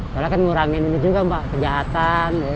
kalau kan ngurangin ini juga kejahatan